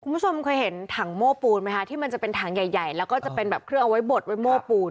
คุณผู้ชมเคยเห็นถังโม้ปูนไหมคะที่มันจะเป็นถังใหญ่ใหญ่แล้วก็จะเป็นแบบเครื่องเอาไว้บดไว้โม่ปูน